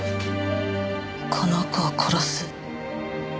この子を殺す。